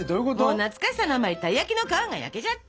もう懐かしさのあまりたい焼きの皮が焼けちゃった！